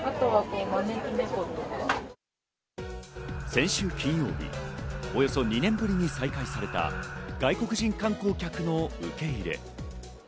先週金曜日、およそ２年ぶりに再開された外国人観光客の受け入れ。